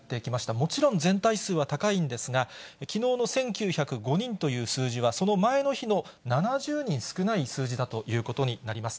もちろん全体数は高いんですが、きのうの１９０５人という数字はその前の日の７０人少ない数字だということになります。